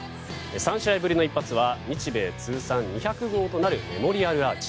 ３試合ぶりの一発は日米通算２００号となるメモリアルアーチ。